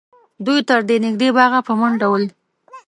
دوی تر نږدې باغه په منډه ول